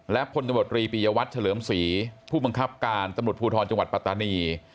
และพลตำรวจรีปียวัตรเฉลิมศรีผู้บังคับการตำรวจภูทรจังหวัดปัตตานี